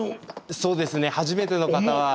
そうですね初めての方は。